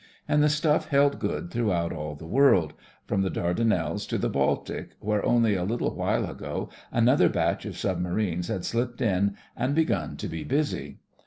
And the stuff held good throughout all the world — from the Dardanelles to the Baltic, where only a little while ago another batch of submarines had slipped in and begun to be busy.